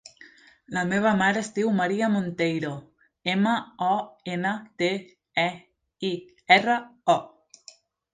La meva mare es diu Maria Monteiro: ema, o, ena, te, e, i, erra, o.